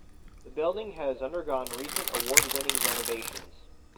The building has undergone recent award-winning renovations.